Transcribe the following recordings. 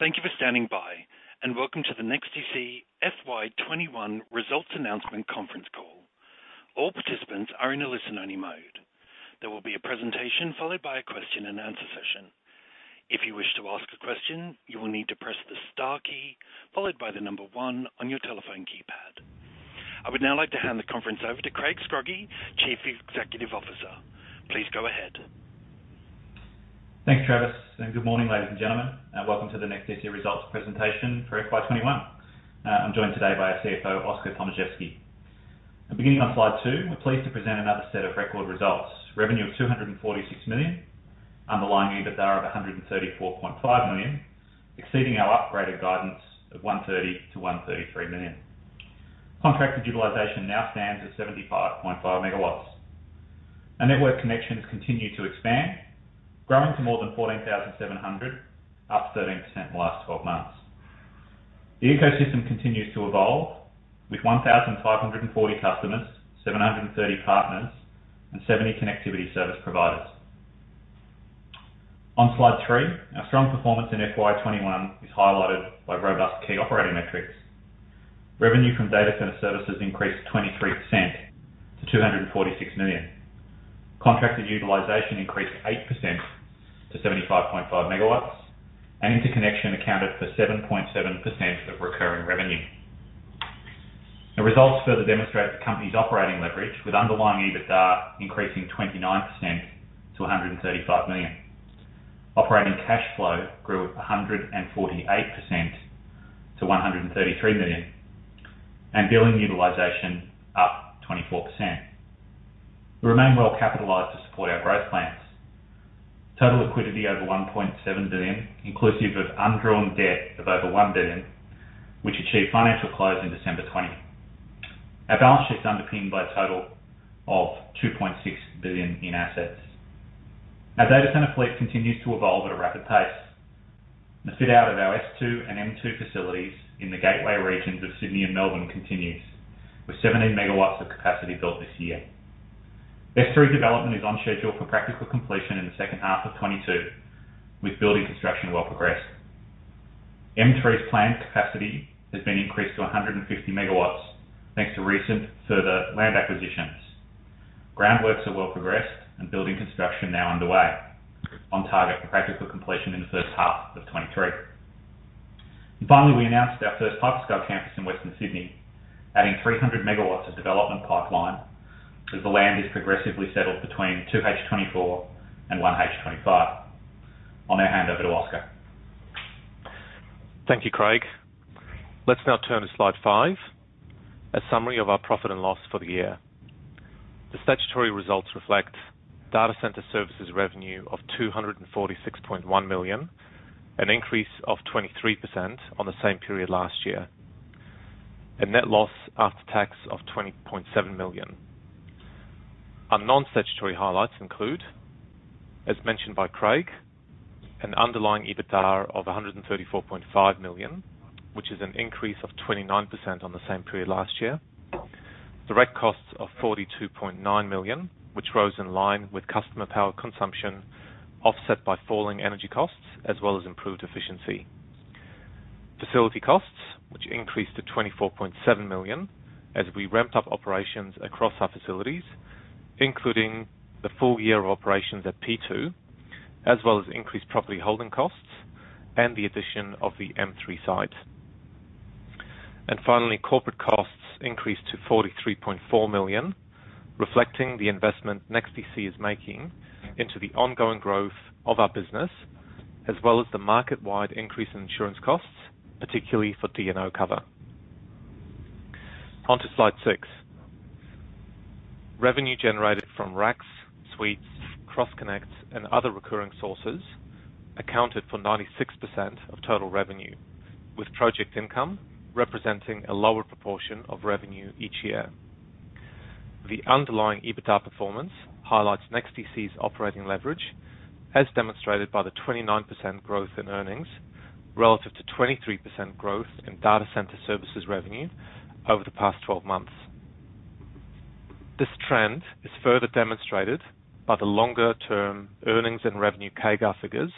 Thank you for standing by, welcome to the NEXTDC FY 2021 results announcement conference call. All participants are in a listen-only mode. There will be a presentation followed by a question-and-answer session. If you wish to ask a question you will need to press star key followed by the number one on your telephone keypad. I would now like to hand the conference over to Craig Scroggie, Chief Executive Officer. Please go ahead. Thanks, Travis, and good morning, ladies and gentlemen. Welcome to the NEXTDC results presentation for FY 2021. I'm joined today by our CFO, Oskar Tomaszewski. Beginning on slide two, we're pleased to present another set of record results. Revenue of 246 million. Underlying EBITDA of 134.5 million, exceeding our upgraded guidance of 130 million-133 million. Contracted utilization now stands at 75.5 MW. Our network connections continue to expand, growing to more than 14,700, up 13% in the last 12 months. The ecosystem continues to evolve with 1,540 customers, 730 partners, and 70 connectivity service providers. On slide three, our strong performance in FY 2021 is highlighted by robust key operating metrics. Revenue from data center services increased 23% to 246 million. Contracted utilization increased 8% to 75.5 MW, and interconnection accounted for 7.7% of recurring revenue. Our results further demonstrate the company's operating leverage, with underlying EBITDA increasing 29% to 135 million. Operating cash flow grew 148% to 133 million, and billing utilization up 24%. We remain well-capitalized to support our growth plans. Total liquidity over 1.7 billion, inclusive of undrawn debt of over 1 billion, which achieved financial close in December 2020. Our balance sheet's underpinned by a total of 2.6 billion in assets. Our data center fleet continues to evolve at a rapid pace. The fit out of our S2 and M2 facilities in the gateway regions of Sydney and Melbourne continues, with 17 MW of capacity built this year. S3 development is on schedule for practical completion in the second half of 2022, with building construction well progressed. M3's planned capacity has been increased to 150 MW thanks to recent further land acquisitions. Groundworks are well progressed and building construction now underway, on target for practical completion in the first half of 2023. Finally, we announced our first hyperscale campus in Western Sydney, adding 300 MW of development pipeline as the land is progressively settled between 2H 2024 and 1H 2025. I'll now hand over to Oskar. Thank you, Craig. Let's now turn to slide five, a summary of our profit and loss for the year. The statutory results reflect data center services revenue of 246.1 million, an increase of 23% on the same period last year. A net loss after tax of 20.7 million. Our non-statutory highlights include, as mentioned by Craig, an underlying EBITDA of 134.5 million, which is an increase of 29% on the same period last year. Direct costs of 42.9 million, which rose in line with customer power consumption, offset by falling energy costs as well as improved efficiency. Facility costs, which increased to 24.7 million as we ramped up operations across our facilities, including the full year of operations at P2, as well as increased property holding costs and the addition of the M3 site. Finally, corporate costs increased to 43.4 million, reflecting the investment NEXTDC is making into the ongoing growth of our business, as well as the market-wide increase in insurance costs, particularly for D&O cover. On to slide six. Revenue generated from racks, suites, cross connects, and other recurring sources accounted for 96% of total revenue, with project income representing a lower proportion of revenue each year. The underlying EBITDA performance highlights NEXTDC's operating leverage, as demonstrated by the 29% growth in earnings relative to 23% growth in data center services revenue over the past 12 months. This trend is further demonstrated by the longer-term earnings and revenue CAGR figures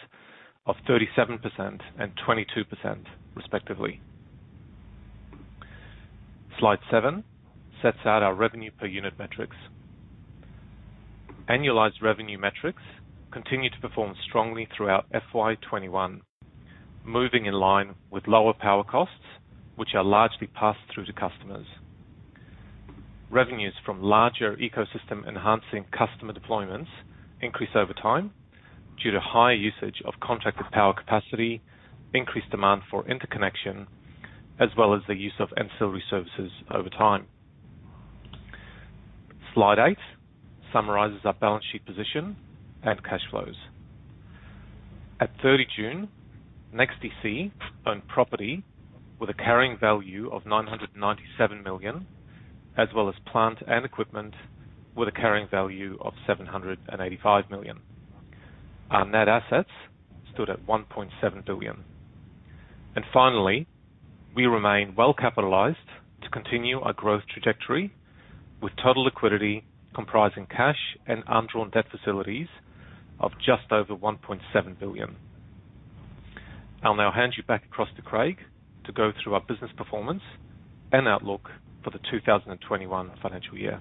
of 37% and 22%, respectively. Slide seven sets out our revenue per unit metrics. Annualized revenue metrics continue to perform strongly throughout FY 2021, moving in line with lower power costs, which are largely passed through to customers. Revenues from larger ecosystem-enhancing customer deployments increase over time due to higher usage of contracted power capacity, increased demand for interconnection, as well as the use of ancillary services over time. Slide eight summarizes our balance sheet position and cash flows. At 30 June, NEXTDC owned property with a carrying value of 997 million, as well as plant and equipment with a carrying value of 785 million. Our net assets stood at 1.7 billion. Finally, we remain well-capitalized to continue our growth trajectory with total liquidity comprising cash and undrawn debt facilities of just over 1.7 billion. I'll now hand you back across to Craig to go through our business performance and outlook for the 2021 financial year.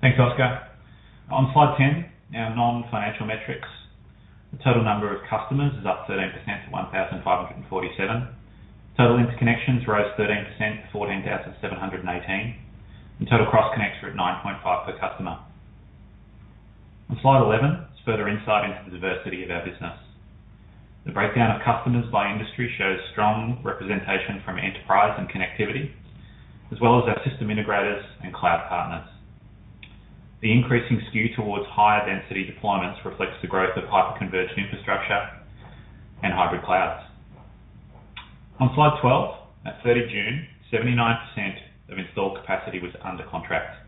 Thanks, Oskar. On slide 10, our non-financial metrics. The total number of customers is up 13% to 1,547. Total interconnections rose 13% to 14,718, and total Cross Connects are at 9.5 per customer. On slide 11 is further insight into the diversity of our business. The breakdown of customers by industry shows strong representation from enterprise and connectivity, as well as our system integrators and cloud partners. The increasing skew towards higher density deployments reflects the growth of hyper-converged infrastructure and hybrid clouds. On slide 12, at 3rd of June, 79% of installed capacity was under contract,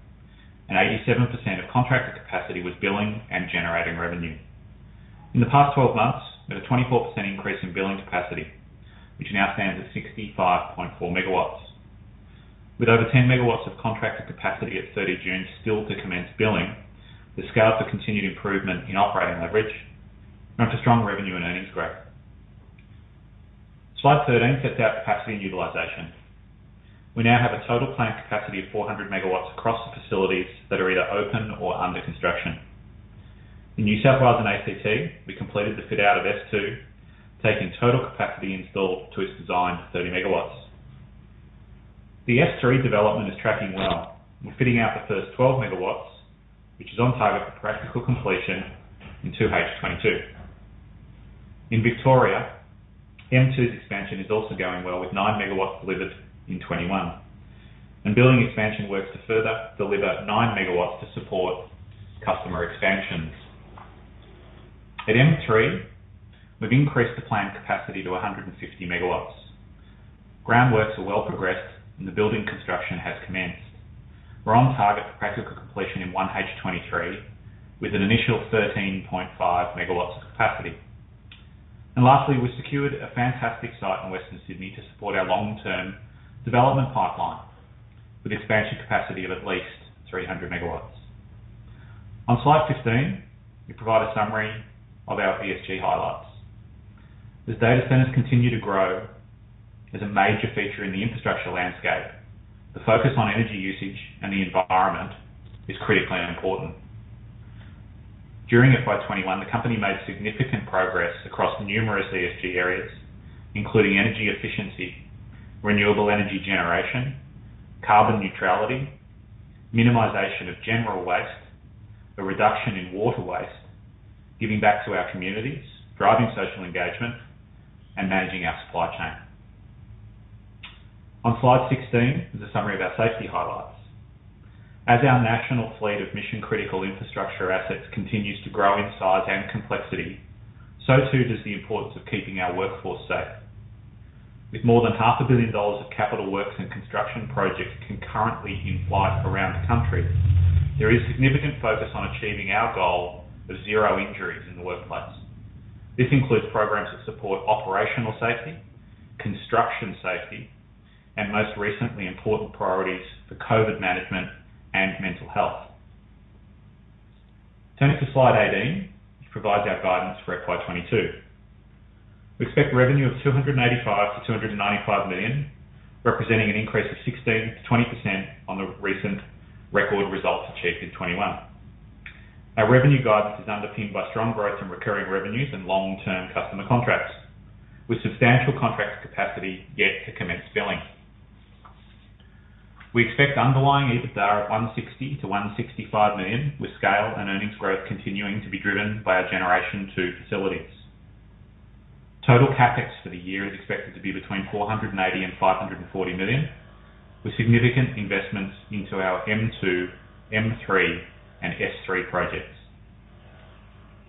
and 87% of contracted capacity was billing and generating revenue. In the past 12 months, there was a 24% increase in billing capacity, which now stands at 65.4 MW. With over 10 MW of contracted capacity at June 30 still to commence billing, the scale for continued improvement in operating leverage and for strong revenue and earnings growth. Slide 13 sets out capacity and utilization. We now have a total planned capacity of 400 MW across the facilities that are either open or under construction. In New South Wales and ACT, we completed the fit out of S2, taking total capacity installed to its design of 30 MW. The S3 development is tracking well. We're fitting out the first 12 MW, which is on target for practical completion in 2H 2022. In Victoria, M2's expansion is also going well, with 9 MW delivered in 2021, and building expansion works to further deliver 9 MW to support customer expansions. At M3, we've increased the planned capacity to 150 MW. Groundworks are well progressed, and the building construction has commenced. We are on target for practical completion in 1H 2023, with an initial 13.5 MW of capacity. Lastly, we secured a fantastic site in Western Sydney to support our long-term development pipeline, with expansion capacity of at least 300 MW. On Slide 15, we provide a summary of our ESG highlights. As data centers continue to grow as a major feature in the infrastructure landscape, the focus on energy usage and the environment is critically important. During FY 2021, the company made significant progress across numerous ESG areas, including energy efficiency, renewable energy generation, carbon neutrality, minimization of general waste, a reduction in water waste, giving back to our communities, driving social engagement, and managing our supply chain. On slide 16 is a summary of our safety highlights. As our national fleet of mission-critical infrastructure assets continues to grow in size and complexity, so too does the importance of keeping our workforce safe. With more than half a billion dollars of capital works and construction projects concurrently in flight around the country, there is significant focus on achieving our goal of zero injuries in the workplace. This includes programs that support operational safety, construction safety, and most recently, important priorities for COVID management and mental health. Turning to slide 18, which provides our guidance for FY 2022. We expect revenue of 285 million-295 million, representing an increase of 16%-20% on the recent record results achieved in 2021. Our revenue guidance is underpinned by strong growth in recurring revenues and long-term customer contracts, with substantial contracts capacity yet to commence billing. We expect underlying EBITDA of 160 million-165 million, with scale and earnings growth continuing to be driven by our generation two facilities. Total CapEx for the year is expected to be between 480 million and 540 million, with significant investments into our M2, M3, and S3 projects.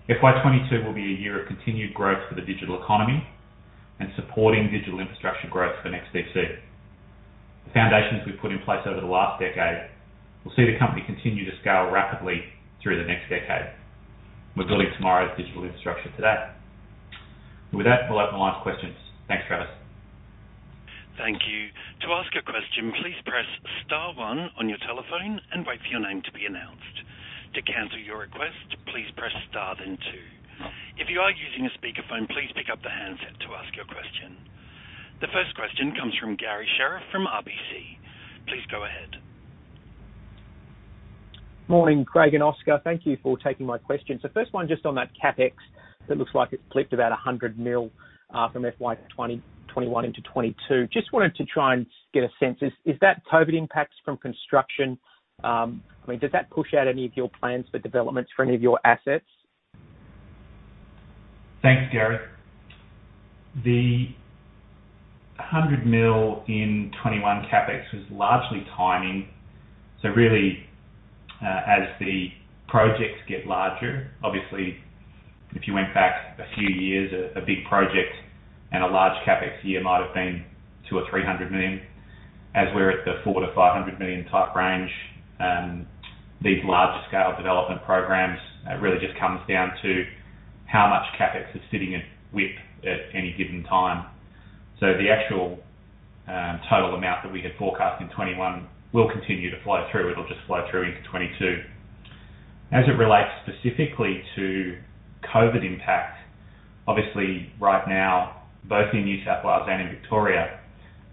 FY 2022 will be a year of continued growth for the digital economy and supporting digital infrastructure growth for NEXTDC. The foundations we've put in place over the last decade will see the company continue to scale rapidly through the next decade. We're building tomorrow's digital infrastructure today. With that, I'll open the line for questions. Thanks, Travis. Thank you. To ask a question press star one and wait for your name to be announced. To cancel your request press star then two. If you are using a speaker phone please pick up the handset to ask your querstion. The first question comes from Garry Sherriff from RBC. Please go ahead. Morning, Craig and Oskar. Thank you for taking my questions. The first one just on that CapEx that looks like it's flipped about 100 million from FY 2021 into FY 2022. Just wanted to try and get a sense. Is that COVID impacts from construction? I mean, does that push out any of your plans for developments for any of your assets? Thanks, Garry. The 100 million in FY 2021 CapEx was largely timing. Really, as the projects get larger, obviously, if you went back a few years, a big project and a large CapEx year might've been 200 million or 300 million. As we're at the 400 million-500 million type range, these larger scale development programs, it really just comes down to how much CapEx is sitting with at any given time. The actual total amount that we had forecast in FY 2021 will continue to flow through. It'll just flow through into FY 2022. As it relates specifically to COVID impact, obviously right now, both in New South Wales and in Victoria,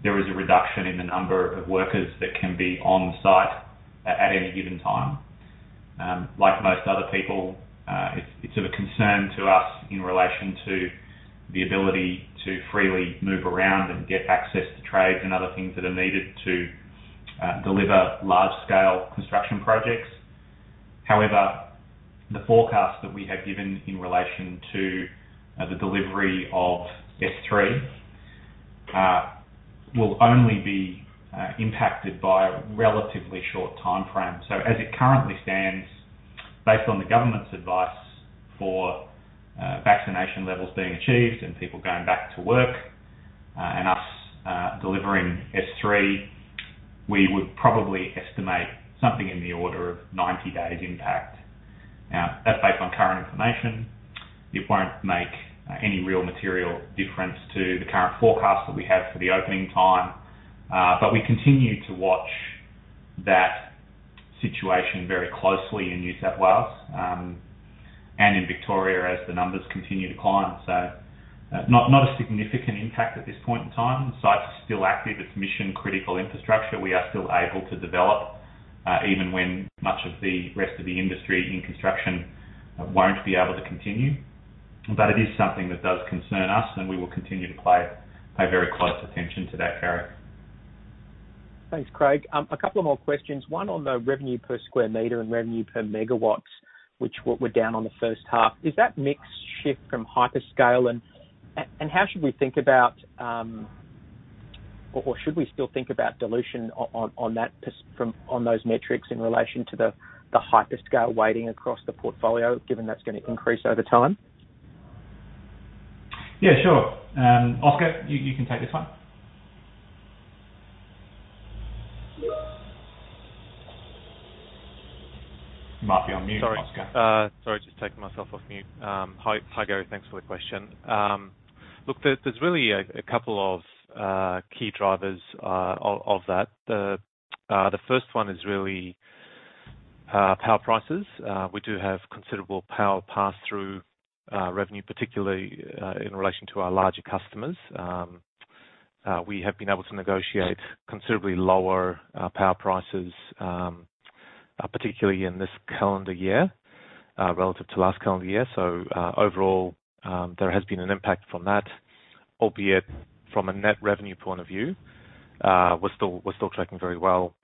there is a reduction in the number of workers that can be on the site at any given time. Like most other people, it's of a concern to us in relation to the ability to freely move around and get access to trades and other things that are needed to deliver large-scale construction projects. The forecast that we have given in relation to the delivery of S3, will only be impacted by a relatively short timeframe. As it currently stands, based on the government's advice for vaccination levels being achieved and people going back to work, and us delivering S3, we would probably estimate something in the order of 90 days impact. That's based on current information. It won't make any real material difference to the current forecast that we have for the opening time. We continue to watch that situation very closely in New South Wales, and in Victoria as the numbers continue to climb. Not a significant impact at this point in time. The site is still active. It is mission-critical infrastructure. We are still able to develop, even when much of the rest of the industry in construction won't be able to continue. It is something that does concern us, and we will continue to pay very close attention to that, Garry. Thanks, Craig. A couple of more questions. One on the revenue per square meter and revenue per megawatts, which were down on the first half. Is that mix shift from hyperscale? How should we think about, or should we still think about dilution on those metrics in relation to the hyperscale weighting across the portfolio, given that's going to increase over time? Yeah, sure. Oskar, you can take this one. You might be on mute, Oskar. Sorry. Sorry, just taking myself off mute. Hi, Garry. Thanks for the question. There's really a couple of key drivers of that. The first one is really power prices. We do have considerable power pass-through revenue, particularly in relation to our larger customers. We have been able to negotiate considerably lower power prices, particularly in this calendar year, relative to last calendar year. Overall, there has been an impact from that, albeit from a net revenue point of view. We're still tracking very well.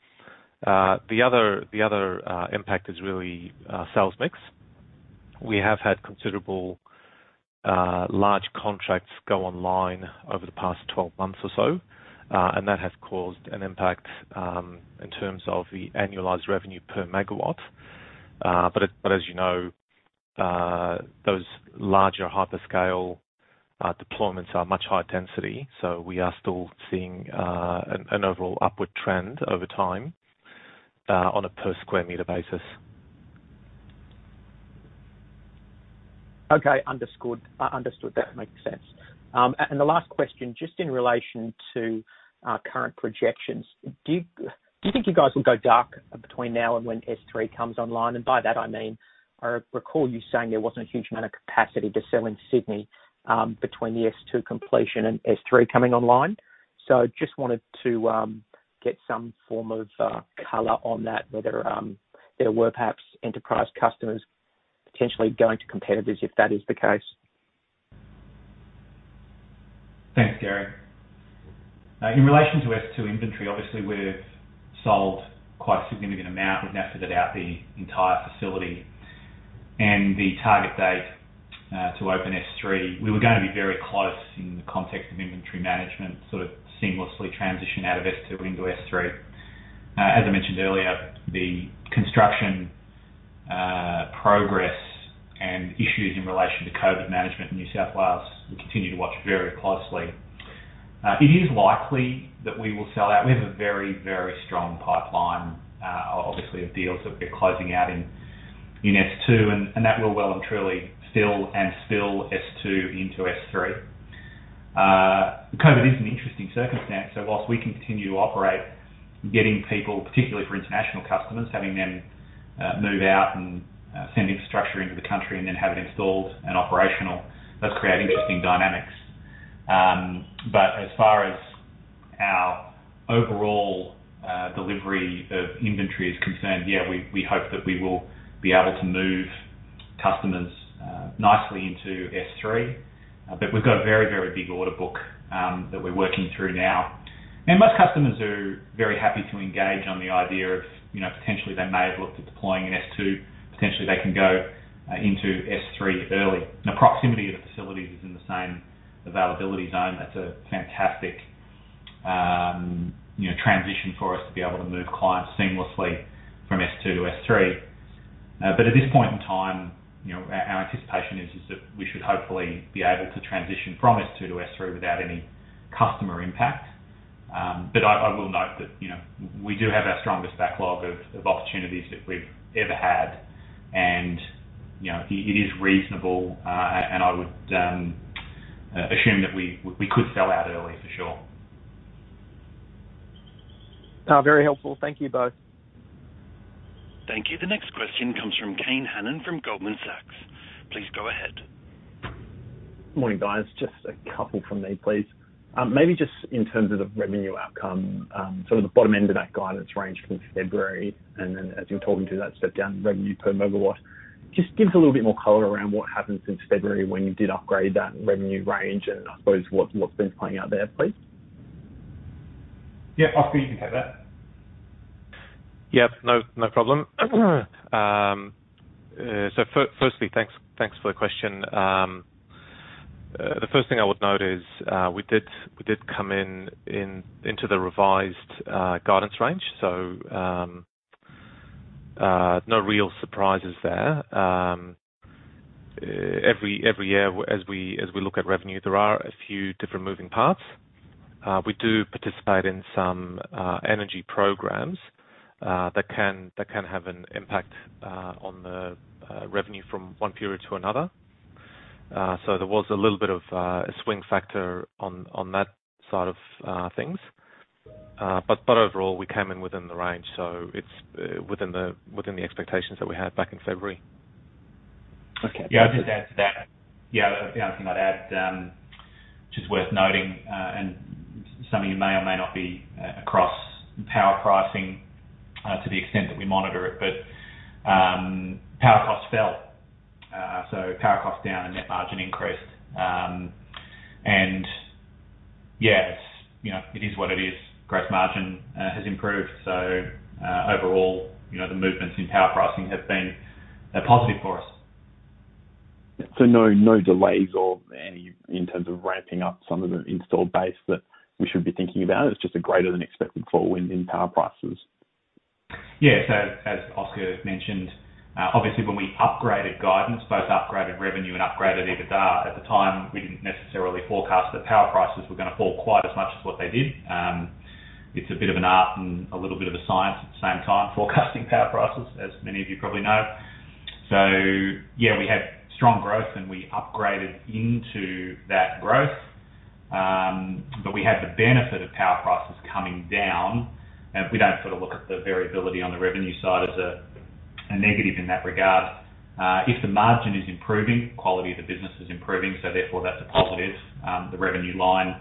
The other impact is really sales mix. We have had considerable large contracts go online over the past 12 months or so, and that has caused an impact, in terms of the annualized revenue per megawatt. As you know, those larger hyperscale deployments are much high density, so we are still seeing an overall upward trend over time, on a per sq m basis. Okay. Understood. That makes sense. The last question, just in relation to our current projections. Do you think you guys will go dark between now and when S3 comes online? By that I mean, I recall you saying there wasn't a huge amount of capacity to sell in Sydney, between the S2 completion and S3 coming online. Just wanted to get some form of color on that, whether there were perhaps enterprise customers potentially going to competitors, if that is the case. Thanks, Garry. In relation to S2 inventory, obviously we've sold quite a significant amount. We've now fitted out the entire facility. The target date to open S3, we were going to be very close in the context of inventory management, sort of seamlessly transition out of S2 into S3. As I mentioned earlier, the construction progress and issues in relation to COVID management in New South Wales, we continue to watch very closely. It is likely that we will sell out. We have a very, very strong pipeline, obviously of deals that we're closing out in S2, and that will well and truly fill and spill S2 into S3. COVID is an interesting circumstance. Whilst we continue to operate, getting people, particularly for international customers, having them move out and send infrastructure into the country and then have it installed and operational, does create interesting dynamics. As far as our overall delivery of inventory is concerned, yeah, we hope that we will be able to move customers nicely into S3. We've got a very, very big order book that we're working through now. Most customers are very happy to engage on the idea of potentially they may have looked at deploying in S2, potentially they can go into S3 early. The proximity of the facilities is in the same availability zone. That's a fantastic transition for us to be able to move clients seamlessly from S2 to S3. At this point in time, our anticipation is that we should hopefully be able to transition from S2 to S3 without any customer impact. I will note that we do have our strongest backlog of opportunities that we've ever had, and it is reasonable, and I would assume that we could sell out early for sure. Very helpful. Thank you both. Thank you. The next question comes from Kane Hannan from Goldman Sachs. Please go ahead. Morning, guys. Just a couple from me, please. Maybe just in terms of the revenue outcome, the bottom end of that guidance range from February, and then as you were talking through that step down in revenue per megawatt, just give us a little bit more color around what happened since February when you did upgrade that revenue range and, I suppose, what's been playing out there, please? Yeah. Oskar, you can have that. Yeah. No problem. Firstly, thanks for the question. The first thing I would note is we did come into the revised guidance range. No real surprises there. Every year as we look at revenue, there are a few different moving parts. We do participate in some energy programs that can have an impact on the revenue from one period to another. There was a little bit of a swing factor on that side of things. Overall, we came in within the range. It's within the expectations that we had back in February. Okay. Yeah. I'll just add to that. Yeah. The only thing I'd add, which is worth noting, and something you may or may not be across in power pricing, to the extent that we monitor it, power costs fell. Power costs down and net margin increased. Yeah, it is what it is. Gross margin has improved. Overall, the movements in power pricing have been positive for us. No delays or any in terms of ramping up some of the installed base that we should be thinking about. It's just a greater than expected fall in power prices. As Oskar mentioned, obviously when we upgraded guidance, both upgraded revenue and upgraded EBITDA, at the time, we didn't necessarily forecast that power prices were going to fall quite as much as what they did. It's a bit of an art and a little bit of a science at the same time, forecasting power prices, as many of you probably know. Yeah, we had strong growth, and we upgraded into that growth. We had the benefit of power prices coming down. We don't look at the variability on the revenue side as a negative in that regard. If the margin is improving, quality of the business is improving, so therefore that's a positive. The revenue line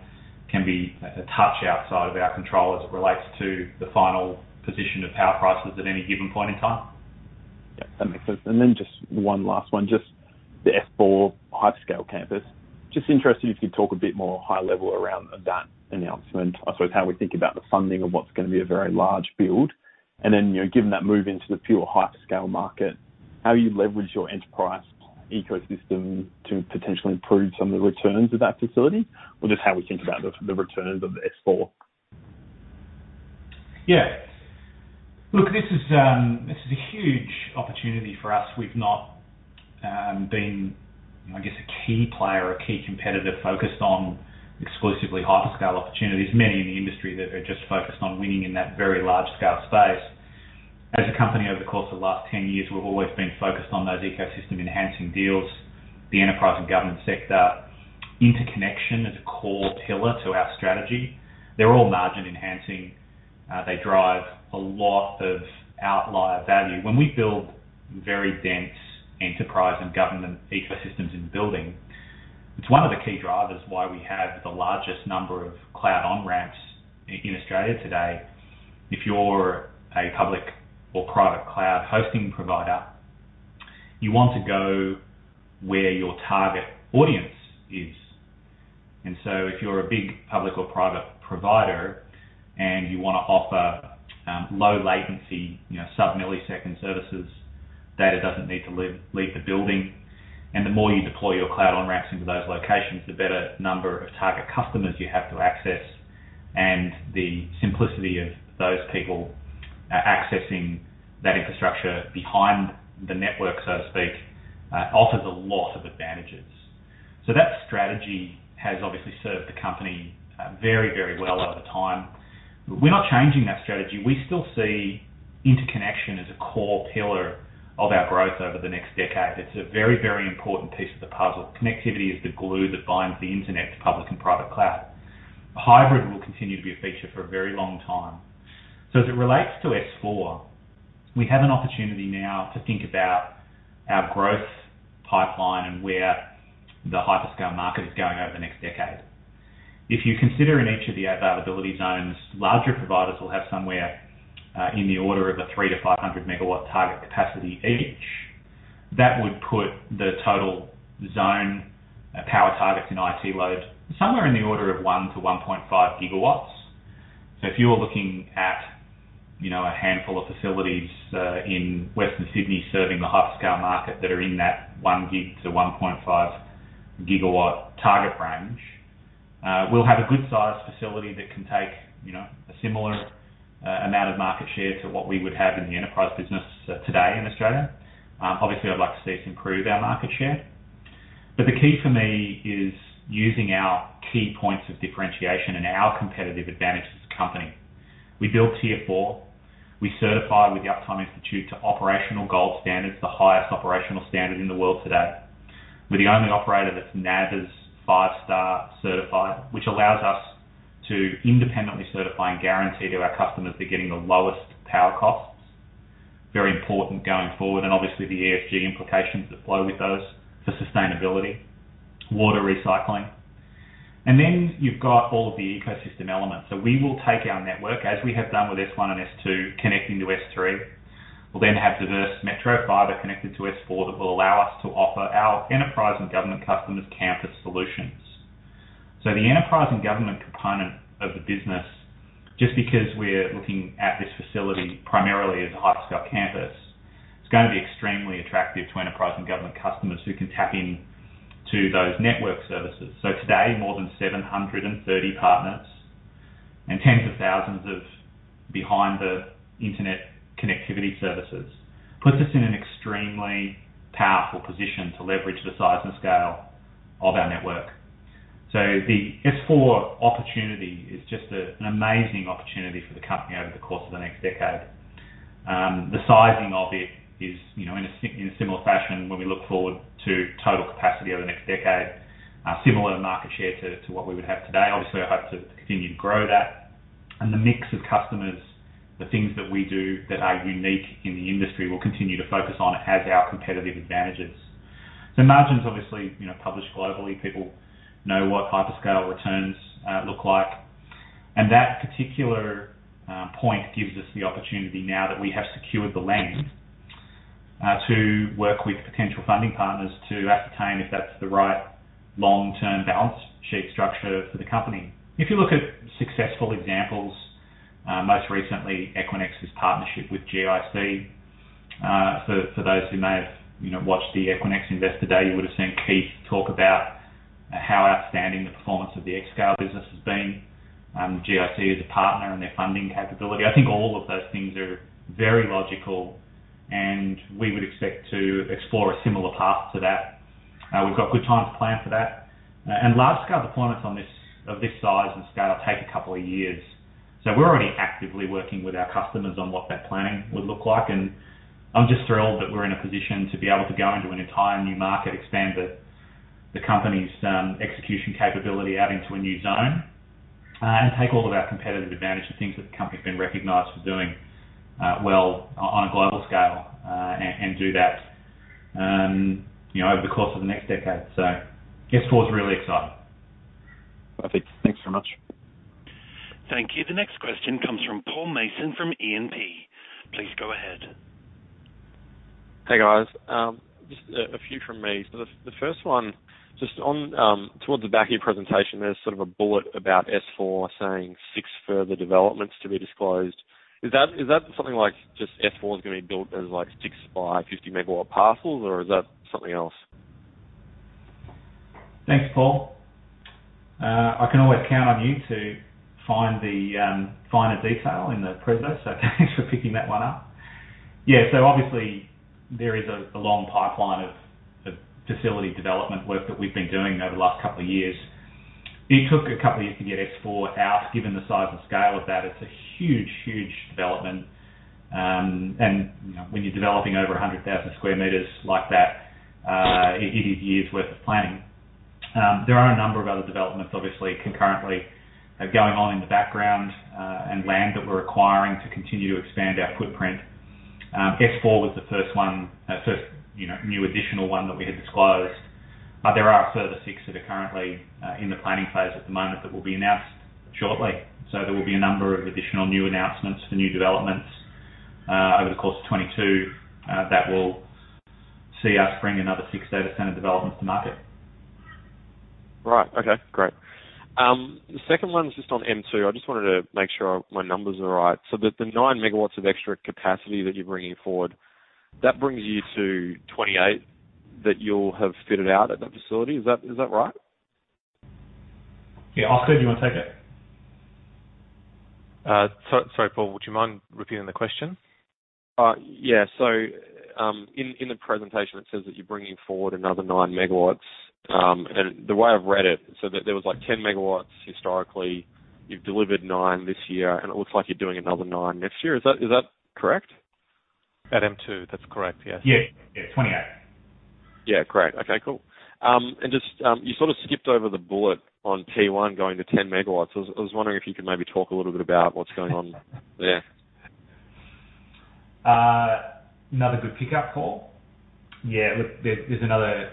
can be a touch outside of our control as it relates to the final position of power prices at any given point in time. Yeah, that makes sense. Just one last one, just the S4 hyperscale campus. Just interested if you'd talk a bit more high level around that announcement. I suppose how we think about the funding of what's going to be a very large build. Given that move into the pure hyperscale market, how you leverage your enterprise ecosystem to potentially improve some of the returns of that facility, or just how we think about the returns of the S4. Yeah. Look, this is a huge opportunity for us. We've not been, I guess, a key player or a key competitor focused on exclusively hyperscale opportunities. Many in the industry that are just focused on winning in that very large-scale space. As a company over the course of the last 10 years, we've always been focused on those ecosystem-enhancing deals. The enterprise and government sector. Interconnection is a core pillar to our strategy. They're all margin enhancing. They drive a lot of outlier value. When we build very dense enterprise and government ecosystems in building, it's one of the key drivers why we have the largest number of cloud on-ramps in Australia today. If you're a public or private cloud hosting provider, you want to go where your target audience is. If you're a big public or private provider and you want to offer low latency, sub-millisecond services, data doesn't need to leave the building. The more you deploy your cloud on-ramps into those locations, the better number of target customers you have to access. The simplicity of those people accessing that infrastructure behind the network, so to speak, offers a lot of advantages. That strategy has obviously served the company very, very well over time. We're not changing that strategy. We still see interconnection as a core pillar of our growth over the next decade. It's a very, very important piece of the puzzle. Connectivity is the glue that binds the internet to public and private cloud. Hybrid will continue to be a feature for a very long time. As it relates to S4, we have an opportunity now to think about our growth pipeline and where the hyperscale market is going over the next decade. If you consider in each of the availability zones, larger providers will have somewhere in the order of a 300 MW to 500-MW target capacity each. That would put the total zone power targets and IT load somewhere in the order of 1 GW to 1.5 GW. If you're looking at a handful of facilities in Western Sydney serving the hyperscale market that are in that 1 GW to 1.5 GW target range. We'll have a good size facility that can take a similar amount of market share to what we would have in the enterprise business today in Australia. Obviously, I'd like to see us improve our market share. The key for me is using our key points of differentiation and our competitive advantage as a company. We built Tier IV. We certified with the Uptime Institute to operational gold standards, the highest operational standard in the world today. We're the only operator that's NABERS 5-star certified, which allows us to independently certify and guarantee to our customers they're getting the lowest power costs. Very important going forward, obviously the ESG implications that flow with those for sustainability, water recycling. You've got all of the ecosystem elements. We will take our network, as we have done with S1 and S2, connecting to S3. We'll have diverse metro fiber connected to S4 that will allow us to offer our enterprise and government customers campus solutions. The enterprise and government component of the business, just because we're looking at this facility primarily as a hyperscale campus, it's going to be extremely attractive to enterprise and government customers who can tap into those network services. Today, more than 730 partners and tens of thousands of behind-the-internet connectivity services puts us in an extremely powerful position to leverage the size and scale of our network. The S4 opportunity is just an amazing opportunity for the company over the course of the next decade. The sizing of it is, in a similar fashion when we look forward to total capacity over the next decade, similar market share to what we would have today. Obviously, I'd hope to continue to grow that. The mix of customers, the things that we do that are unique in the industry, we'll continue to focus on as our competitive advantages. Margins, obviously, published globally. People know what hyperscale returns look like. That particular point gives us the opportunity, now that we have secured the land, to work with potential funding partners to ascertain if that's the right long-term balance sheet structure for the company. If you look at successful examples, most recently, Equinix's partnership with GIC. For those who may have watched the Equinix Investor Day, you would've seen Keith talk about how outstanding the performance of the xScale business has been. GIC as a partner and their funding capability. I think all of those things are very logical, and we would expect to explore a similar path to that. We've got good time to plan for that. Large scale deployments of this size and scale take a couple years. We're already actively working with our customers on what that planning would look like, and I'm just thrilled that we're in a position to be able to go into an entire new market, expand the company's execution capability out into a new zone, and take all of our competitive advantage, the things that the company's been recognized for doing well on a global scale, and do that over the course of the next 10 years. S4's really exciting. Perfect. Thanks very much. Thank you. The next question comes from Paul Mason from E&P. Please go ahead. Hey, guys. Just a few from me. The first one, just towards the back of your presentation, there's sort of a bullet about S4 saying six further developments to be disclosed. Is that something like just S4 is going to be built as six by 50 MW parcels, or is that something else? Thanks, Paul. I can always count on you to find the finer detail in the presentation. Thanks for picking that one up. Yeah. Obviously there is a long pipeline of facility development work that we've been doing over the last couple of years. It took a couple of years to get S4 out, given the size and scale of that. It's a huge development. When you're developing over 100,000 square meters like that, it is years worth of planning. There are a number of other developments, obviously, concurrently going on in the background, and land that we're acquiring to continue to expand our footprint. S4 was the first new additional one that we had disclosed. There are a further six that are currently in the planning phase at the moment that will be announced shortly. There will be a number of additional new announcements for new developments over the course of 2022 that will see us bring another six data center developments to market. Right. Okay, great. The second one's just on M2. I just wanted to make sure my numbers are right. The 9 MW of extra capacity that you're bringing forward, that brings you to 28 that you'll have fitted out at that facility. Is that right? Yeah. Oskar, do you want to take it? Sorry, Paul, would you mind repeating the question? Yeah. In the presentation, it says that you're bringing forward another 9 MW. The way I've read it, there was 10 MW historically. You've delivered nine this year. It looks like you're doing another nine next year. Is that correct? At M2, that's correct. Yes. Yeah. 28. Yeah. Great. Okay, cool. Just you sort of skipped over the bullet on P1 going to 10 MW. I was wondering if you could maybe talk a little bit about what's going on there. Another good pickup, Paul. Yeah, the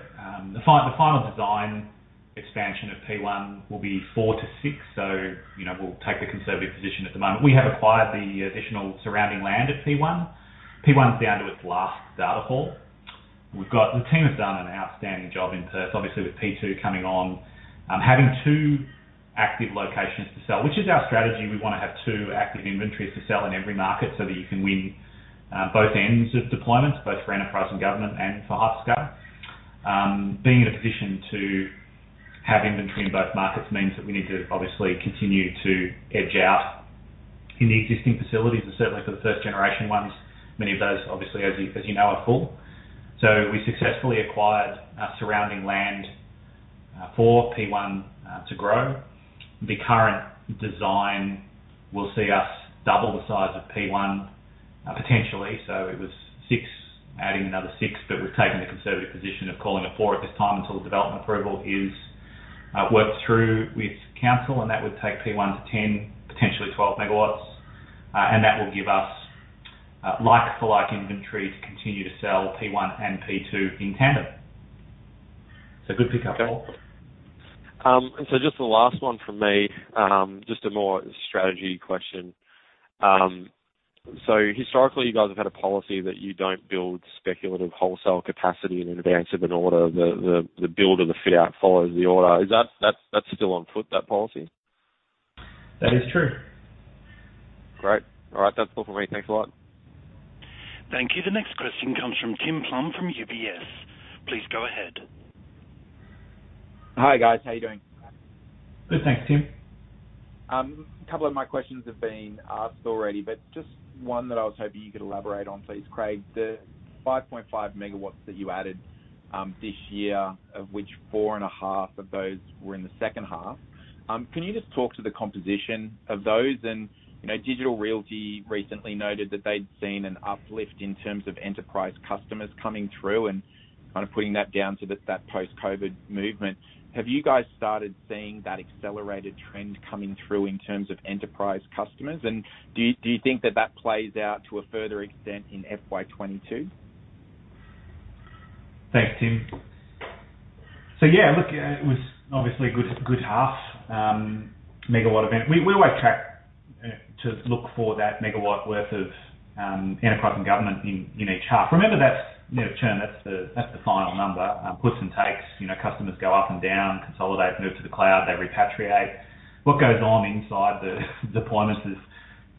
final design expansion of P1 will be four to six. We'll take the conservative position at the moment. We have acquired the additional surrounding land at P1. P1's down to its last data hall. The team has done an outstanding job in Perth, obviously, with P2 coming on. Having two active locations to sell, which is our strategy, we want to have two active inventories to sell in every market so that you can win both ends of deployments, both for enterprise and government and for hyperscale. Being in a position to have inventory in both markets means that we need to obviously continue to edge out in the existing facilities and certainly for the first-generation ones, many of those, obviously as you know, are full. We successfully acquired surrounding land for P1 to grow. The current design will see us double the size of P1, potentially. It was six, adding another six, but we've taken the conservative position of calling it four at this time until the development approval is worked through with council, and that would take P1 to 10 MW, potentially 12 MW. That will give us like for like inventory to continue to sell P1 and P2 in tandem. Good pickup, Paul. Just the last one from me, just a more strategy question. Historically, you guys have had a policy that you don't build speculative wholesale capacity in advance of an order. The build or the fiat follows the order. Is that still on foot, that policy? That is true. Great. All right. That's all from me. Thanks a lot. Thank you. The next question comes from Tim Plumbe from UBS. Please go ahead. Hi, guys. How you doing? Good thanks, Tim. A couple of my questions have been asked already. Just one that I was hoping you could elaborate on, please, Craig. The 5.5 MW that you added this year, of which four and a half of those were in the second half. Can you just talk to the composition of those? Digital Realty recently noted that they'd seen an uplift in terms of enterprise customers coming through and kind of putting that down to that post-COVID movement. Have you guys started seeing that accelerated trend coming through in terms of enterprise customers? Do you think that that plays out to a further extent in FY 2022? Thanks, Tim. Yeah, look, it was obviously a good half-megawatt event. We always track to look for that megawatt worth of enterprise and government in each half. Remember, that's churn. That's the final number. Puts and takes. Customers go up and down, consolidate, move to the cloud, they repatriate. What goes on inside the deployments is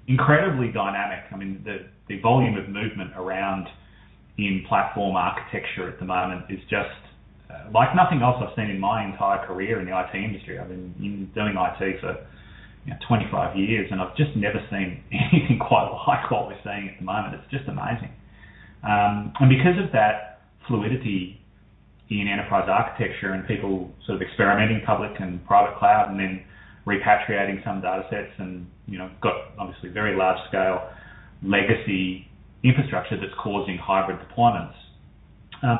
incredibly dynamic. I mean, the volume of movement around in platform architecture at the moment is just like nothing else I've seen in my entire career in the IT industry. I've been doing IT for 25 years, I've just never seen anything quite like what we're seeing at the moment. It's just amazing. Because of that fluidity in enterprise architecture and people sort of experimenting public and private cloud and then repatriating some data sets and got obviously very large-scale legacy infrastructure that's causing hybrid deployments.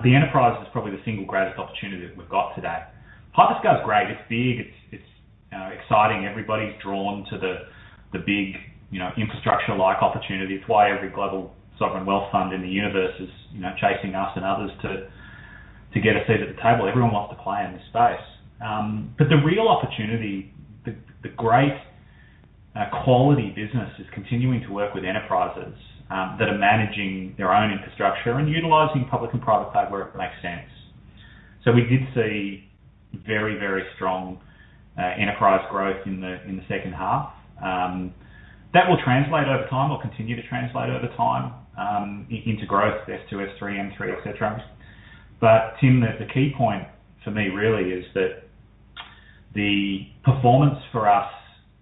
The enterprise is probably the single greatest opportunity that we've got today. Hyperscale is great. It's big. It's exciting. Everybody's drawn to the big infrastructure-like opportunity. It's why every global sovereign wealth fund in the universe is chasing us and others to get a seat at the table. Everyone wants to play in this space. The real opportunity, the great quality business, is continuing to work with enterprises that are managing their own infrastructure and utilizing public and private cloud where it makes sense. We did see very, very strong enterprise growth in the second half. That will translate over time or continue to translate over time into growth, S2, S3, M3, et cetera. Tim, the key point for me really is that the performance for us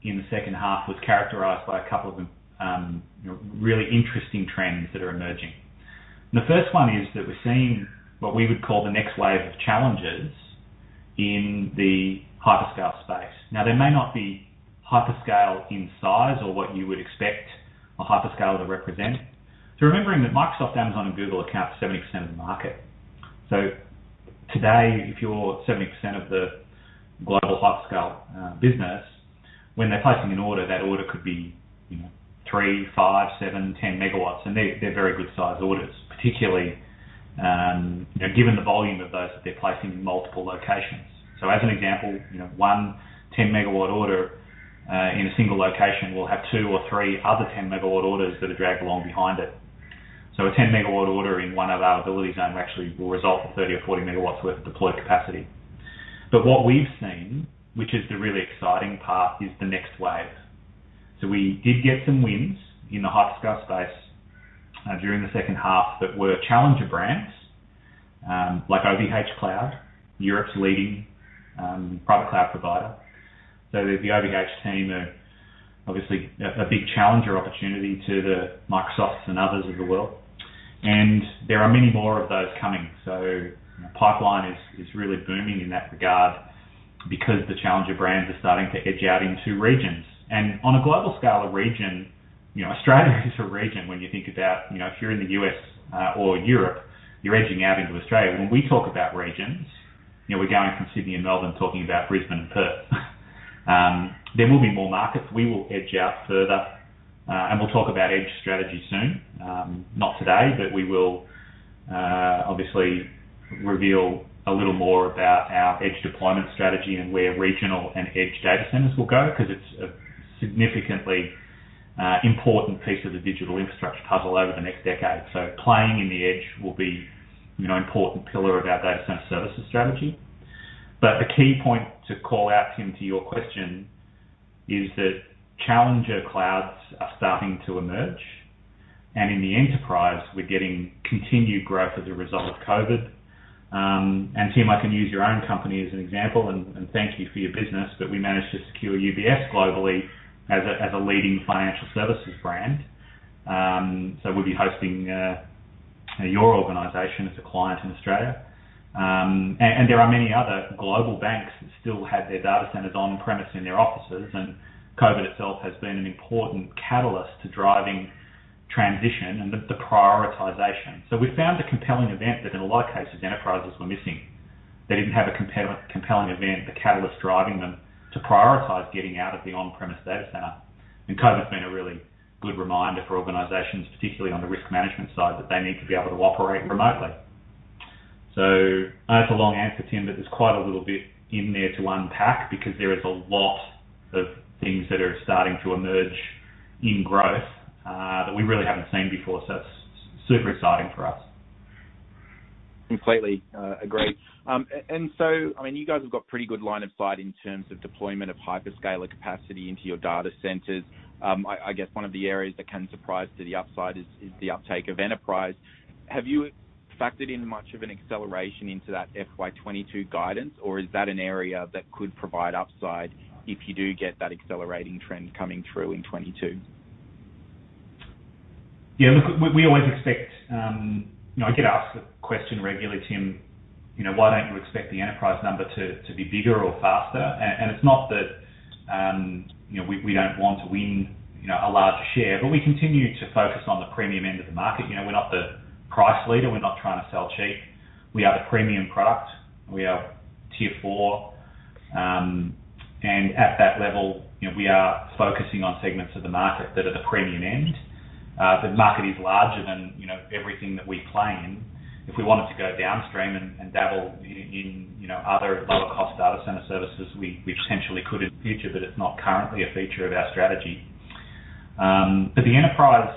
in the second half was characterized by a couple of really interesting trends that are emerging. The first one is that we're seeing what we would call the next wave of challenges in the hyperscale space. Now, they may not be hyperscale in size or what you would expect a hyperscale to represent. Remembering that Microsoft, Amazon, and Google account for 70% of the market. Today, if you're 70% of the global hyperscale business, when they're placing an order, that order could be 3 MW, 5 MW, 7 MW, 10 MW. They're very good size orders, particularly given the volume of those that they're placing in multiple locations. As an example, one 10-MW order in a single location will have two or three other 10-MW orders that are dragged along behind it. A 10-MW order in one of our availability zones actually will result in 30 MW or 40 MW worth of deployed capacity. What we've seen, which is the really exciting part, is the next wave. We did get some wins in the hyperscale space during the second half that were challenger brands, like OVHcloud, Europe's leading private cloud provider. The OVHcloud team are obviously a big challenger opportunity to the Microsofts and others of the world. There are many more of those coming. The pipeline is really booming in that regard because the challenger brands are starting to edge out into regions. On a global scale, a region, Australia is a region when you think about if you're in the U.S. or Europe, you're edging out into Australia. When we talk about regions, we're going from Sydney and Melbourne, talking about Brisbane and Perth. There will be more markets. We will edge out further, and we'll talk about edge strategy soon. Not today, we will obviously reveal a little more about our edge deployment strategy and where regional and edge data centers will go because it's a significantly important piece of the digital infrastructure puzzle over the next decade. Playing in the edge will be an important pillar of our data center services strategy. The key point to call out, Tim, to your question is that challenger clouds are starting to emerge. In the enterprise, we're getting continued growth as a result of COVID. Tim, I can use your own company as an example, and thank you for your business, but we managed to secure UBS globally as a leading financial services brand. We'll be hosting your organization as a client in Australia. There are many other global banks that still have their data centers on-premise in their offices, and COVID itself has been an important catalyst to driving transition and the prioritization. We found a compelling event that in a lot of cases enterprises were missing. They didn't have a compelling event, the catalyst driving them to prioritize getting out of the on-premise data center. COVID's been a really good reminder for organizations, particularly on the risk management side, that they need to be able to operate remotely. I know it's a long answer, Tim, but there's quite a little bit in there to unpack because there is a lot of things that are starting to emerge in growth, that we really haven't seen before. It's super exciting for us. Completely agree. You guys have got pretty good line of sight in terms of deployment of hyperscaler capacity into your data centers. I guess one of the areas that can surprise to the upside is the uptake of enterprise. Have you factored in much of an acceleration into that FY 2022 guidance? Is that an area that could provide upside if you do get that accelerating trend coming through in 2022? Look, we always expect I get asked the question regularly, Tim, "Why don't you expect the enterprise number to be bigger or faster?" It's not that we don't want to win a larger share, but we continue to focus on the premium end of the market. We're not the price leader. We're not trying to sell cheap. We are the premium product. We are Tier IV. At that level, we are focusing on segments of the market that are the premium end. The market is larger than everything that we play in. If we wanted to go downstream and dabble in other lower-cost data center services, we potentially could in the future, but it's not currently a feature of our strategy. The enterprise,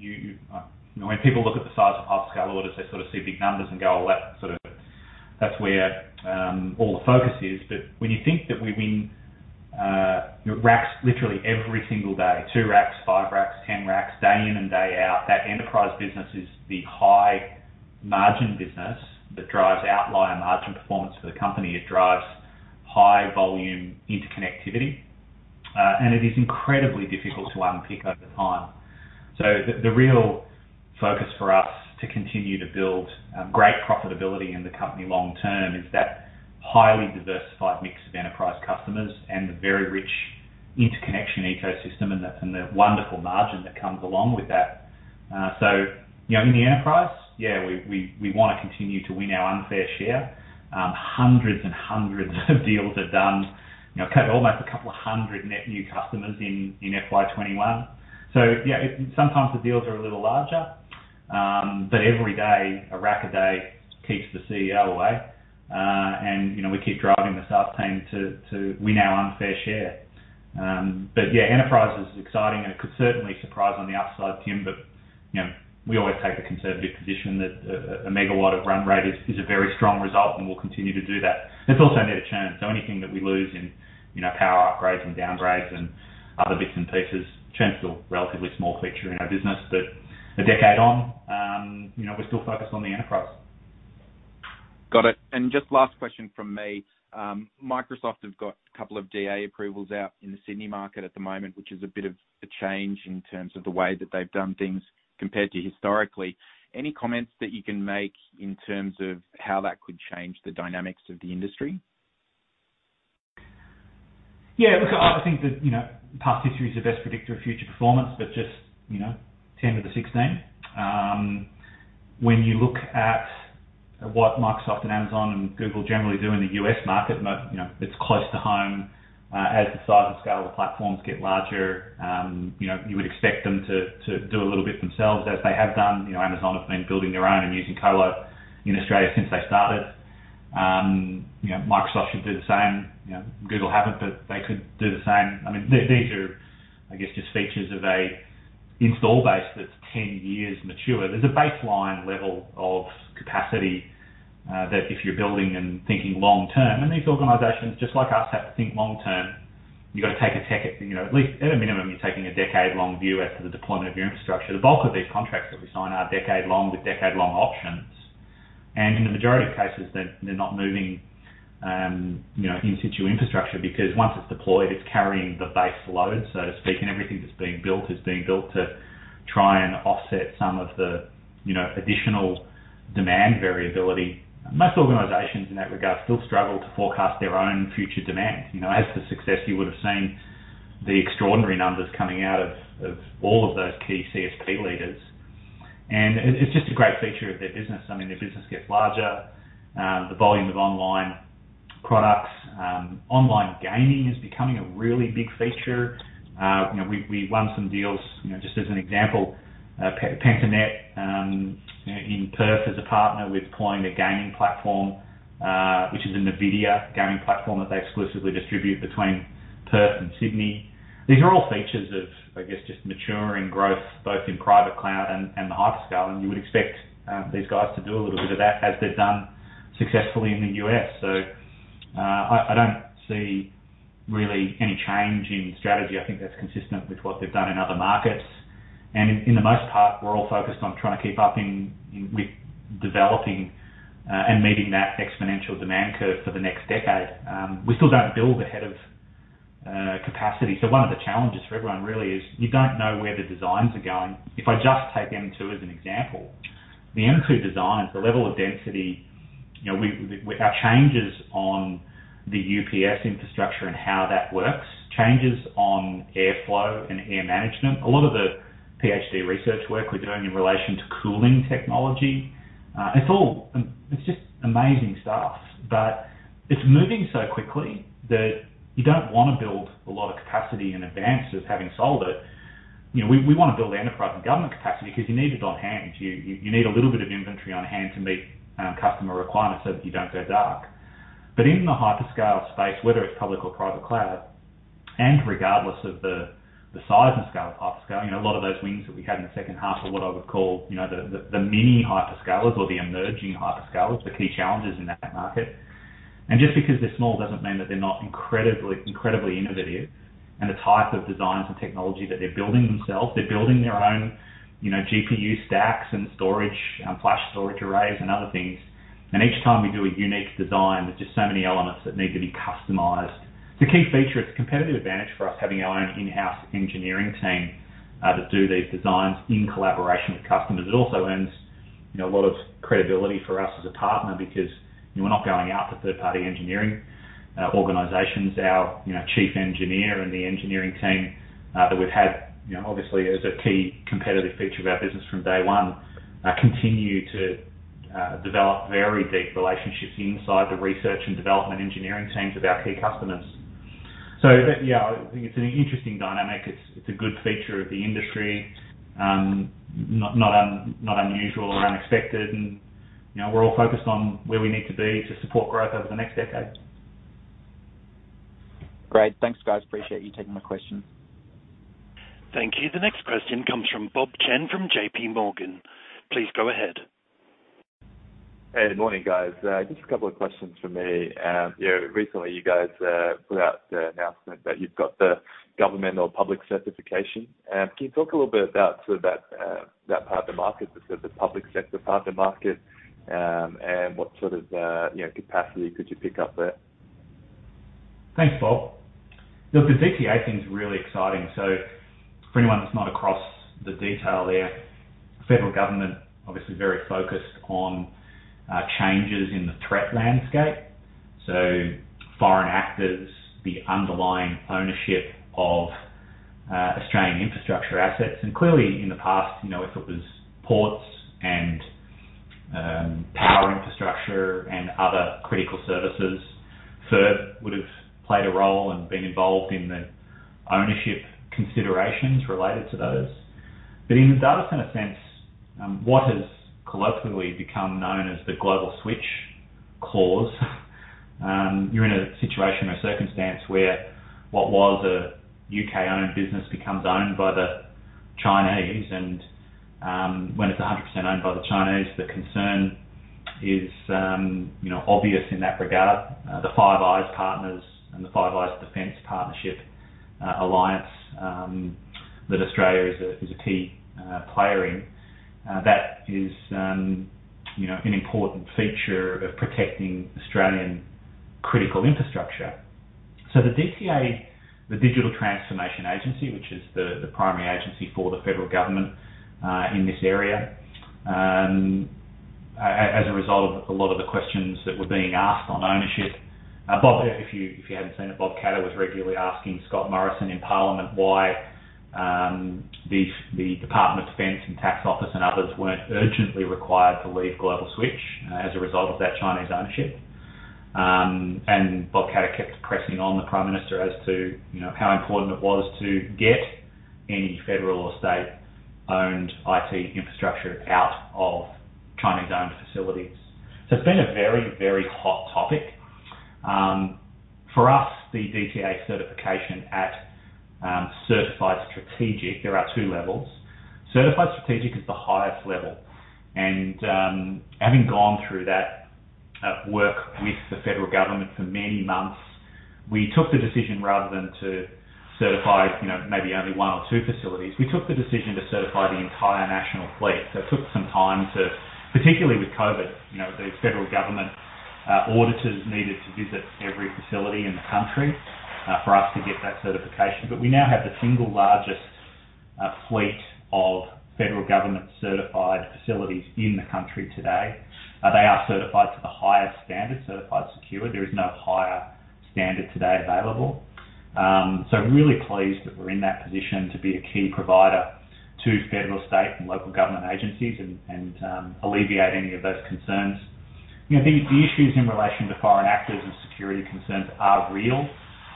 when people look at the size of hyperscaler orders, they sort of see big numbers and go, "Oh, well, that's where all the focus is." When you think that we win racks literally every single day, two racks, five racks, 10 racks, day in and day out. That enterprise business is the high-margin business that drives outlier margin performance for the company. It drives high volume interconnectivity. It is incredibly difficult to unpick over time. The real focus for us to continue to build great profitability in the company long term is that highly diversified mix of enterprise customers and the very rich interconnection ecosystem, and the wonderful margin that comes along with that. In the enterprise, yeah, we want to continue to win our unfair share. Hundreds and hundreds of deals are done. Almost 200 net new customers in FY 2021. Yeah, sometimes the deals are a little larger. Every day, 1 rack a day keeps the CEO away. We keep driving the sales team to win our unfair share. Yeah, enterprise is exciting, and it could certainly surprise on the upside, Tim. We always take the conservative position that a megawatt of run rate is a very strong result, and we'll continue to do that. There's also net churn. Anything that we lose in power upgrades and downgrades and other bits and pieces, churn's still a relatively small feature in our business. A decade on, we're still focused on the enterprise. Got it. Just last question from me. Microsoft have got a couple of DA approvals out in the Sydney market at the moment, which is a bit of a change in terms of the way that they've done things compared to historically. Any comments that you can make in terms of how that could change the dynamics of the industry? Yeah, look, I think that past history is the best predictor of future performance. Just tend to the 16. When you look at what Microsoft and Amazon and Google generally do in the U.S. market, it's close to home. As the size and scale of the platforms get larger, you would expect them to do a little bit themselves as they have done. Amazon have been building their own and using colo in Australia since they started. Microsoft should do the same. Google haven't. They could do the same. These are, I guess, just features of a install base that's 10 years mature. There's a baseline level of capacity that if you're building and thinking long term, these organizations, just like us, have to think long term. You've got to take at least at a minimum, you're taking a decade-long view as to the deployment of your infrastructure. The bulk of these contracts that we sign are decade long with decade-long options. In the majority of cases, they're not moving in situ infrastructure because once it's deployed, it's carrying the base load, so to speak, and everything that's being built is being built to try and offset some of the additional demand variability. Most organizations in that regard still struggle to forecast their own future demand. As-a-Service, you would've seen the extraordinary numbers coming out of all of those key CSP leaders. It's just a great feature of their business. Their business gets larger. The volume of online products. Online gaming is becoming a really big feature. We won some deals, just as an example, Pentanet in Perth as a partner with deploying a gaming platform, which is a NVIDIA gaming platform that they exclusively distribute between Perth and Sydney. These are all features of, I guess, just maturing growth, both in private cloud and the hyperscale, and you would expect these guys to do a little bit of that as they've done successfully in the U.S. I don't see really any change in strategy. I think that's consistent with what they've done in other markets. In the most part, we're all focused on trying to keep up with developing and meeting that exponential demand curve for the next decade. We still don't build ahead of capacity. One of the challenges for everyone really is you don't know where the designs are going. If I just take M2 as an example, the M2 designs, the level of density, our changes on the UPS infrastructure and how that works, changes on airflow and air management. A lot of the PhD research work we are doing in relation to cooling technology. It is just amazing stuff, but it is moving so quickly that you do not want to build a lot of capacity in advance of having sold it. We want to build enterprise and government capacity because you need it on hand. You need a little bit of inventory on hand to meet customer requirements so that you do not go dark. In the hyperscale space, whether it is public or private cloud, and regardless of the size and scale of hyperscale. A lot of those wins that we had in the second half are what I would call the mini hyperscalers or the emerging hyperscalers, the key challenges in that market. Just because they're small doesn't mean that they're not incredibly innovative in the type of designs and technology that they're building themselves. They're building their own GPU stacks and flash storage arrays and other things. Each time we do a unique design, there's just so many elements that need to be customized. It's a key feature. It's a competitive advantage for us having our own in-house engineering team that do these designs in collaboration with customers. It also earns a lot of credibility for us as a partner because we're not going out to third-party engineering organizations. Our chief engineer and the engineering team that we've had obviously as a key competitive feature of our business from day one, continue to develop very deep relationships inside the research and development engineering teams of our key customers. Yeah, it's an interesting dynamic. It's a good feature of the industry. Not unusual or unexpected, and we're all focused on where we need to be to support growth over the next decade. Great. Thanks, guys. Appreciate you taking my question. Thank you. The next question comes from Bob Chen from JPMorgan. Please go ahead. Hey, good morning, guys. Just a couple of questions from me. Recently, you guys put out the announcement that you've got the government or public certification. Can you talk a little bit about that part of the market, the sort of the public sector part of the market? What sort of capacity could you pick up there? Thanks, Bob. The DTA thing's really exciting. For anyone that's not across the detail there, the federal government obviously very focused on changes in the threat landscape. Foreign actors, the underlying ownership of Australian infrastructure assets, and clearly in the past if it was ports and power infrastructure and other critical services, FIRB would've played a role and been involved in the ownership considerations related to those. In the data center sense, what has colloquially become known as the Global Switch clause, you're in a situation or circumstance where what was a U.K.-owned business becomes owned by the Chinese. When it's 100% owned by the Chinese, the concern is obvious in that regard. The Five Eyes partners and the Five Eyes Defense Partnership alliance that Australia is a key player in. That is an important feature of protecting Australian critical infrastructure. The DTA, the Digital Transformation Agency, which is the primary agency for the federal government in this area, as a result of a lot of the questions that were being asked on ownership. Bob, if you haven't seen it, Bob Katter was regularly asking Scott Morrison in Parliament why the Department of Defence and Tax Office and others weren't urgently required to leave Global Switch as a result of that Chinese ownership. Bob Katter kept pressing on the Prime Minister as to how important it was to get any federal or state-owned IT infrastructure out of Chinese-owned facilities. It's been a very hot topic. For us, the DTA certification at Certified Strategic, there are two levels. Certified Strategic is the highest level, and having gone through that work with the Federal Government for many months, we took the decision rather than to certify maybe only one or two facilities. We took the decision to certify the entire national fleet. It took some time to, particularly with COVID, the Federal Government auditors needed to visit every facility in the country for us to get that certification. We now have the single largest fleet of Federal Government-certified facilities in the country today. They are certified to the highest standard, certified secure. There is no higher standard today available. Really pleased that we're in that position to be a key provider to Federal, state, and local government agencies and alleviate any of those concerns. The issues in relation to foreign actors and security concerns are real.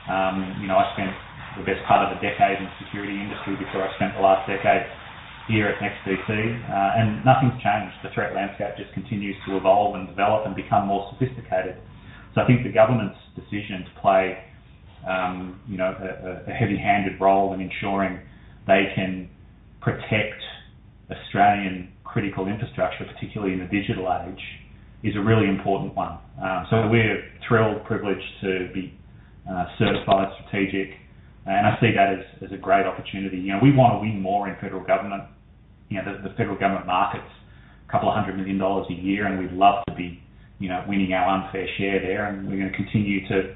I spent the best part of a decade in the security industry before I spent the last decade here at NEXTDC. Nothing's changed. The threat landscape just continues to evolve and develop and become more sophisticated. I think the government's decision to play a heavy-handed role in ensuring they can protect Australian critical infrastructure, particularly in the digital age, is a really important one. We're thrilled, privileged to be Certified Strategic. I see that as a great opportunity. We want to win more in federal government, the federal government markets, a couple hundred million dollars a year. We'd love to be winning our unfair share there. We're going to continue to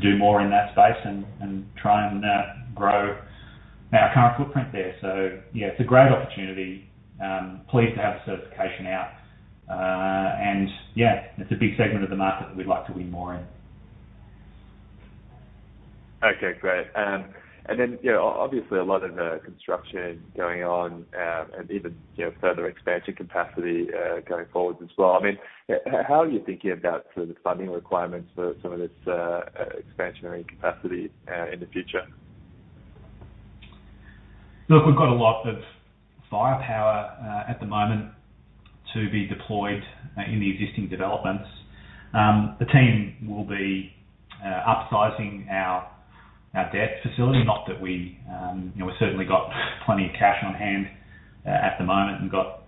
do more in that space and try and grow our current footprint there. Yeah, it's a great opportunity. Pleased to have the certification out. Yeah, it's a big segment of the market that we'd like to win more in. Okay, great. Obviously a lot of construction going on and even further expansion capacity going forwards as well. How are you thinking about the funding requirements for some of this expansionary capacity in the future? Look, we've got a lot of firepower at the moment to be deployed in the existing developments. The team will be upsizing our debt facility. Not that we certainly got plenty of cash on hand at the moment and got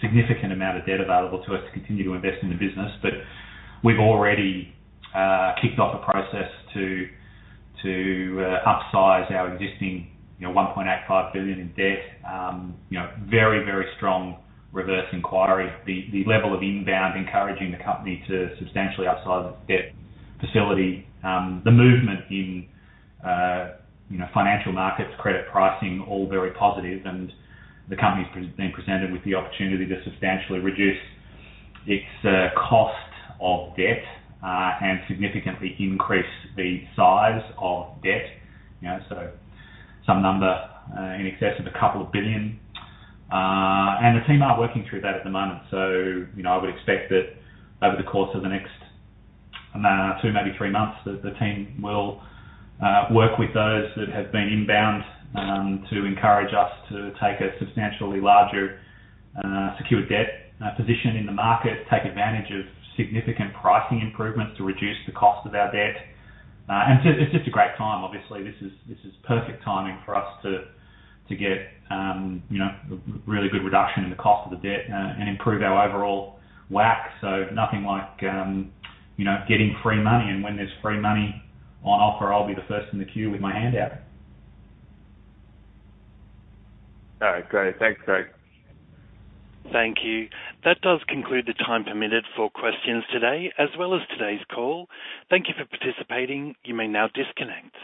significant amount of debt available to us to continue to invest in the business. We've already kicked off a process to upsize our existing 1.85 billion in debt. Very strong reverse inquiry. The level of inbound encouraging the company to substantially upsize its debt facility. The movement in financial markets, credit pricing, all very positive, and the company's been presented with the opportunity to substantially reduce its cost of debt, and significantly increase the size of debt. Some number in excess of AUD a couple of billion. The team are working through that at the moment. I would expect that over the course of the next two, maybe three months, the team will work with those that have been inbound, to encourage us to take a substantially larger secured debt position in the market, take advantage of significant pricing improvements to reduce the cost of our debt. It's just a great time. Obviously, this is perfect timing for us to get a really good reduction in the cost of the debt and improve our overall WACC. Nothing like getting free money, and when there's free money on offer, I'll be the first in the queue with my hand out. All right, great. Thanks, Craig. Thank you. That does conclude the time permitted for questions today, as well as today's call. Thank you for participating. You may now disconnect.